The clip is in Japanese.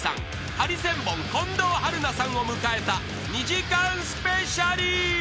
［ハリセンボン近藤春菜さんを迎えた２時間スペシャル］